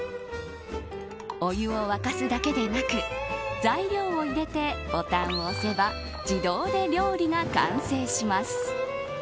お湯を沸かすだけでなく材料を入れて、ボタンを押せば自動で料理が完成します。